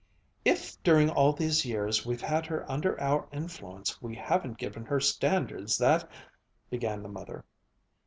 "If during all these years we've had her under our influence we haven't given her standards that " began the mother.